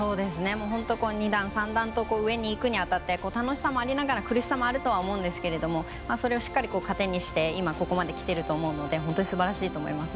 本当、２段３段と上に行くに当たって楽しさもありながら苦しさもあるとは思うんですけれどもそれをしっかりと糧にして今、ここまで来てると思うので本当に素晴らしいと思います。